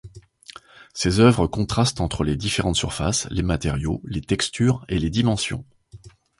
Ses œuvres contrastent entre les différentes surfaces, les matériaux, les textures, et les dimensions.